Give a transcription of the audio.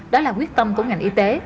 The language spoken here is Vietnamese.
đó là quyết tâm của ngành y tế